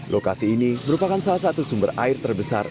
lokasi ini merupakan salah satu sumber air terbesar